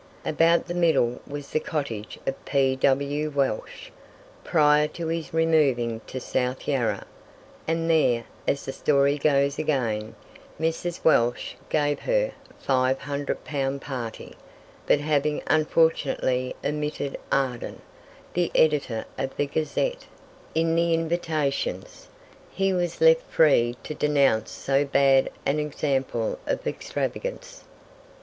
About the middle was the cottage of P.W. Welsh, prior to his removing to South Yarra; and there, as the story goes again, Mrs. Welsh gave her "Five Hundred Pound Party," but having unfortunately omitted Arden, the editor of the "Gazette", in the invitations, he was left free to denounce so bad an example of extravagance.